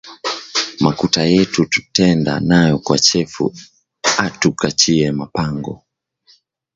Makuta yetu tutenda nayo kwa chefu atu kachiye ma mpango